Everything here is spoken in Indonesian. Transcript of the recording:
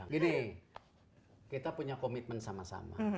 gini kita punya komitmen sama sama